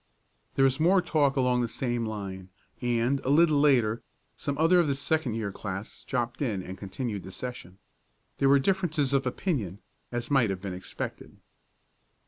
There was more talk along the same line, and, a little later, some other of the second year class dropped in and continued the session. There were differences of opinion, as might have been expected.